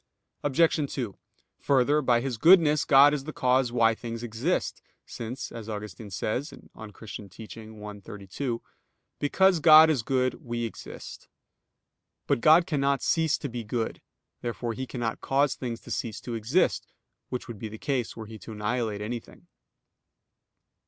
Obj. 2: Further, by His goodness God is the cause why things exist, since, as Augustine says (De Doctr. Christ. i, 32): "Because God is good, we exist." But God cannot cease to be good. Therefore He cannot cause things to cease to exist; which would be the case were He to annihilate anything.